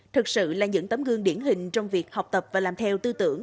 thật sự là những tấm gương điển hình trong việc học tập và làm theo tư tưởng